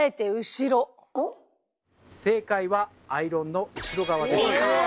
正解はアイロンの後ろ側です。